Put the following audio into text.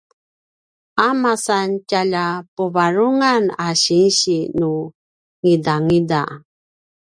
a masan tjalja puvarungan a sinsi nu ngidangida